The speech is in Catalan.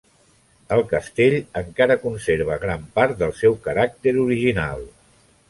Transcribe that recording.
El castell encara conserva gran part del seu caràcter original.